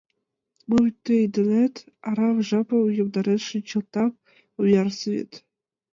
Мом тый денет арам жапым йомдарен шинчылтам — ом ярсе вет.